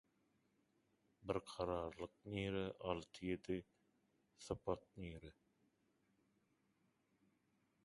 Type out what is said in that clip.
Bir kararlylk nire, alty-ýedi sypat nire?